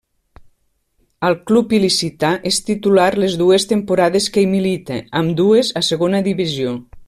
Al club il·licità és titular les dues temporades que hi milita, ambdues a Segona Divisió.